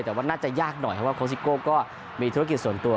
แต่ว่าน่าจะยากหน่อยเพราะว่าโคสิโก้ก็มีธุรกิจส่วนตัว